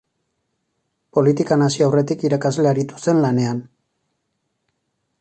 Politikan hasi aurretik irakasle aritu zen lanean.